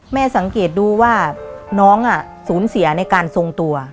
สังเกตดูว่าน้องสูญเสียในการทรงตัว